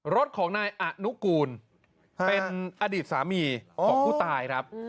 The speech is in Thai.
รถของนายอนุกูลเป็นอดีตสามีของผู้ตายครับ